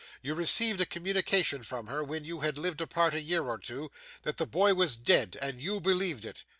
You received a communication from her, when you had lived apart a year or two, that the boy was dead; and you believed it?